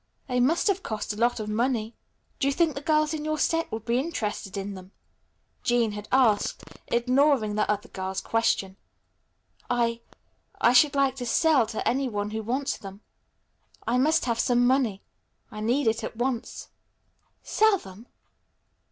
"They must have cost a lot of money." "Do you think the girls in your set would be interested in them?" Jean had asked, ignoring the other girl's question. "I I should like to sell them to any one who wants them. I must have some money. I need it at once." "Sell them?"